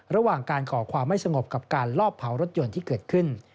ระหว่างการก่อความไม่สงบกับการลอบเผารถยนต์ที่เกิดขึ้น